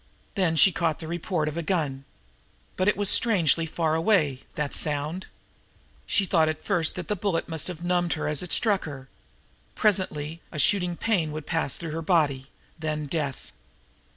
Then she caught the report of a gun. But it was strangely far away, that sound. She thought at first that the bullet must have numbed, as it struck her. Presently a shooting pain would pass through her body then death.